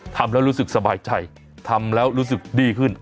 ทำแล้วรู้สึกสบายใจทำแล้วรู้สึกดีขึ้น